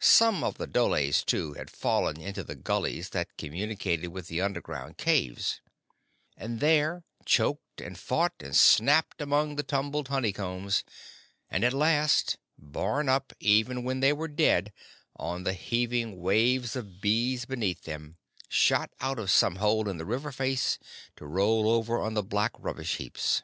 Some of the dholes, too, had fallen into the gullies that communicated with the underground caves, and there choked and fought and snapped among the tumbled honeycombs, and at last, borne up even when they were dead on the heaving waves of bees beneath them, shot out of some hole in the river face, to roll over on the black rubbish heaps.